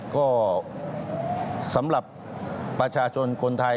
ก็สำหรับประชาชนคนไทย